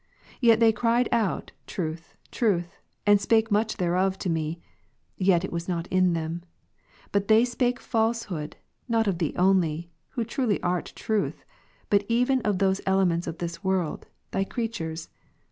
Yet they cried out "Truth, Truth," and spake much thereof tome, 1 John yet it ivas not in them : but they spake falsehood, not of '' Thee only, (who truly art Truth,) but even of those elements of this world. Thy creatures.